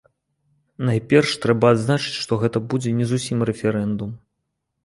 Найперш, трэба адзначыць, што гэта будзе не зусім рэферэндум.